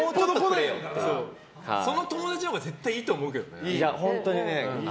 その友達のほうが絶対いいと思うけどね。